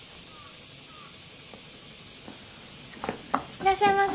いらっしゃいませ。